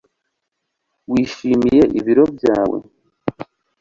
Wishimiye ibiro byawe